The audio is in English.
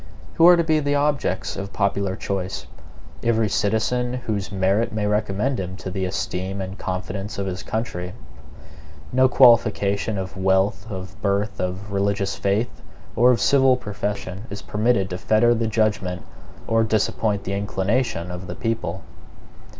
Who are to be the objects of popular choice? Every citizen whose merit may recommend him to the esteem and confidence of his country. No qualification of wealth, of birth, of religious faith, or of civil profession is permitted to fetter the judgement or disappoint the inclination of the people.